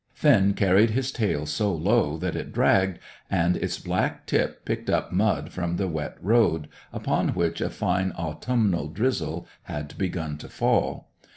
Finn carried his tail so low that it dragged, and its black tip picked up mud from the wet road, upon which a fine autumnal drizzle had begun to fall.